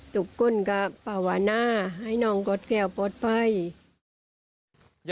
ทุกคนก็ประวณาให้น้องกดแคล่วปลอดภัย